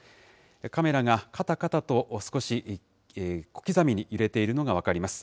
カメラがかたかたと少し小刻みに揺れているのが分かります。